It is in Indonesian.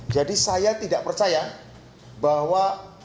jadi saya tidak percaya bahwa